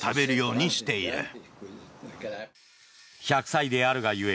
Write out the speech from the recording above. １００歳であるが故